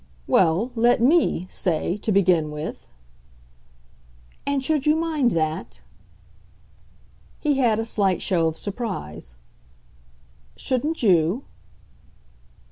"Well, let ME, say, to begin with." "And should you mind that?" He had a slight show of surprise. "Shouldn't you?"